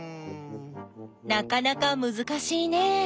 なかなかむずかしいね。